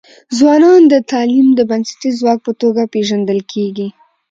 ځوانان د تعلیم د بنسټیز ځواک په توګه پېژندل کيږي.